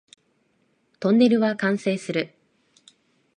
トンネルは完成する